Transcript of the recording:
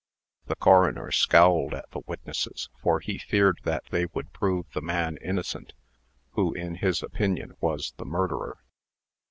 The coroner scowled at the witnesses, for he feared that they would prove the man innocent, who, in his opinion, was the murderer.